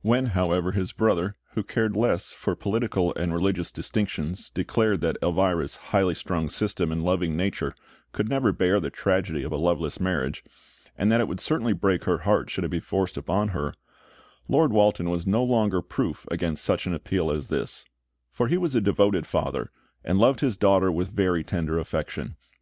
When, however, his brother, who cared less for political and religious distinctions, declared that Elvira's highly strung system and loving nature could never bear the tragedy of a loveless marriage, and that it would certainly break her heart should it be forced upon her, Lord Walton was no longer proof against such an appeal as this; for he was a devoted father, and loved his daughter with very tender affection.